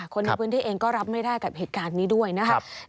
คนในพื้นที่เองก็รับไม่ได้กับเหตุการณ์นี้ด้วยนะครับ